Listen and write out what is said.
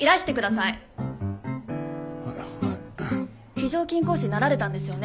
非常勤講師になられたんですよね。